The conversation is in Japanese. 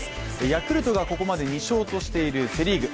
ヤクルトがここまで２勝としているセ・リーグ。